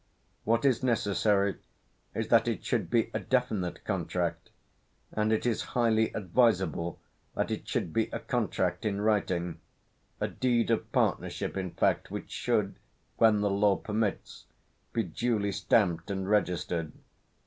What is necessary is that it should be a definite contract, and it is highly advisable that it should be a contract in writing a deed of partnership, in fact, which should when the law permits be duly stamped and registered.